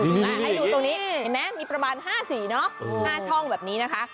เห็นไหมมีประมาณ๕สีเนอะ๕ช่องแบบนี้นะคะ